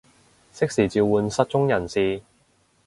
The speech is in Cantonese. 適時召喚失蹤人士